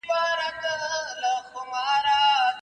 څېړنه د کومو شواهدو پر بنسټ ولاړه وي؟